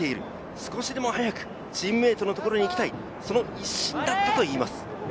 少しでも早くチームメートのところに行きたい、その一心だったといいます。